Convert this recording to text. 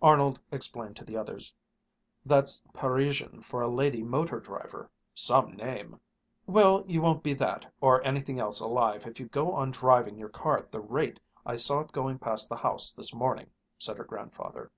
Arnold explained to the others: "That's Parisian for a lady motor driver; some name!" "Well, you won't be that, or anything else alive, if you go on driving your car at the rate I saw it going past the house this morning," said her grandfather.